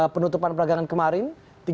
penutupan peragangan kemarin